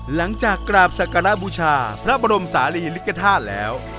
หลังจากกราบสักการะบูชาพระบรมศาลีลิกธาตุแล้ว